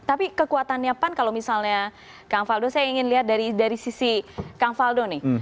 tapi kekuatannya pan kalau misalnya kang faldo saya ingin lihat dari sisi kang faldo nih